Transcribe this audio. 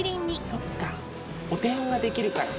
そっかお手本ができるから。